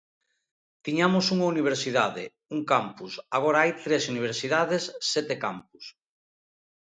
Tiñamos unha universidade, un campus, agora hai tres universidades, sete campus.